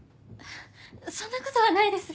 そんな事はないです。